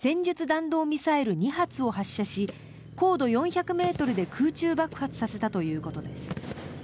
平壌の空港から北東方向に戦術弾道ミサイル２発を発射し高度４００ｍで空中爆発させたということです。